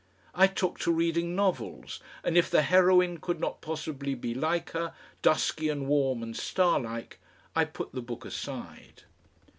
I took to reading novels, and if the heroine could not possibly be like her, dusky and warm and starlike, I put the book aside....